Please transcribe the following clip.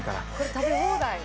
食べ放題。